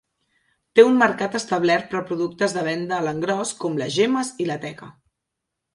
Té un mercat establert per a productes de venda a l'engròs com les gemmes i la teca.